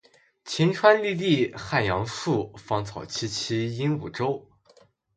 晴川历历汉阳树，芳草萋萋鹦鹉洲。